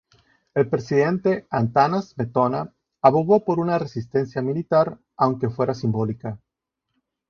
El presidente, Antanas Smetona, abogó por una resistencia militar, aunque fuera simbólica.